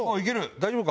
大丈夫か？